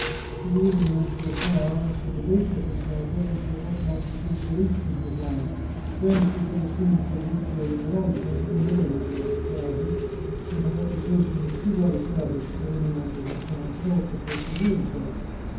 She even went so far as to debate with herself whether she ought not to seek release from her vow: then she could have seen Fa brizio in the light, like any other member of society, and her reputation was too well established for any one to have found fault with her for doing so.